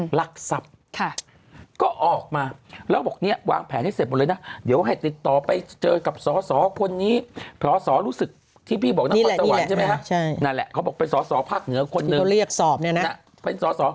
เป็นสอศภาคเหนือคนนึงที่ต้องเรียกสอบเนี่ยนะเป็นสอศ